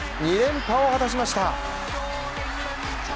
２連覇を果たしました。